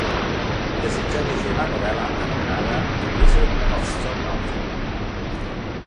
Desitja llegir la novel·la anomenada The Wizard of Stone Mountain